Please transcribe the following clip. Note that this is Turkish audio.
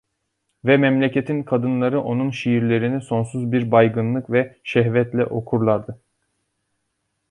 Ve memleketin kadınları onun şiirlerini sonsuz bir baygınlık ve şehvetle okurlardı.